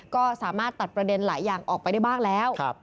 ก็สามารถตัดประเด็นหลายอย่างออกไปได้บ้างแล้ว